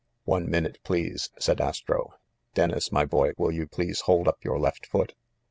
"One minute, please," said Astro. "Dennis, my boy, will you please hold up your left foot?